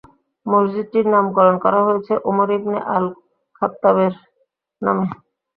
মসজিদটির নামকরণ করা হয়েছে ওমর ইবনে আল-খাত্ততাবের নামে।